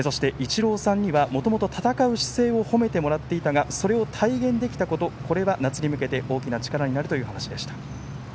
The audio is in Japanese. そして、イチローさんにはもともと戦う姿勢を褒めてもらっていたがそれを体現できたことこれが夏に向けて大きな力になるという話でした。